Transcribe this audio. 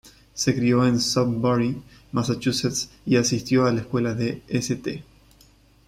Se crio en Sudbury, Massachusetts, y asistió a la Escuela de St.